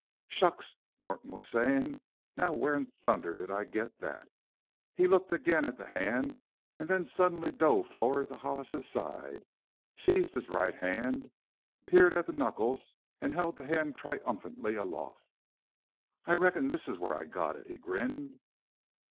"Shucks!" Norton was saying. "Now where in thunder did I get that?" He looked again at the hand and then suddenly dove forward to Hollis's side, seized his right hand, peered at the knuckles and held the hand triumphantly aloft. "I reckon this is where I got it!" he grinned.